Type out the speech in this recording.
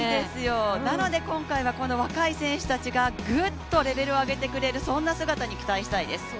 なので今回は若い選手たちがぐっとレベルを上げてくれるそんな姿に期待したいです。